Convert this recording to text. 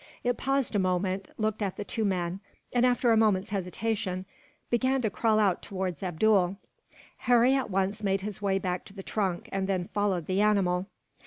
It paused a moment, looked at the two men and, after a moment's hesitation, began to crawl out towards Abdool. Harry at once made his way back to the trunk, and then followed the animal.